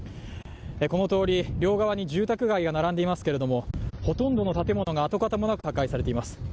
この通り、両側に住宅街が並んでいますけれども、ほとんどの建物が跡形もなく破壊されています。